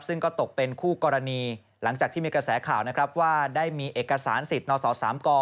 ซึ่งก็ตกเป็นคู่กรณีหลังจากที่มีกระแสข่าวนะครับว่าได้มีเอกสารสิทธิ์นศ๓ก